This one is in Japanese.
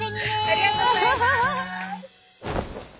ありがとうございます。